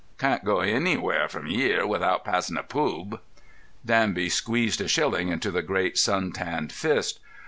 "Can't go anywhere from 'ere without passin' a poob." Danby squeezed a shilling into the great sun tanned fist.